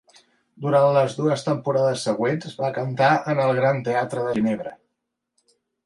Durant les dues temporades següents va cantar en el Gran Teatre de Ginebra.